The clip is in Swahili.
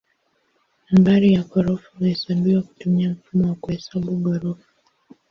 Nambari ya ghorofa huhesabiwa kutumia mfumo wa kuhesabu ghorofa.